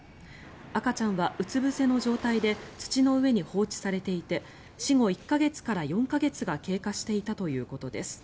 赤ちゃんはうつぶせの状態で土の上に放置されていて死後１か月から４か月が経過していたということです。